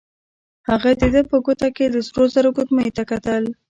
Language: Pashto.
هغه د ده په ګوته کې د سرو زرو ګوتمۍ ته کتل.